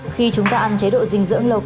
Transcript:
khi chúng ta ăn chế độ dinh dưỡng low carb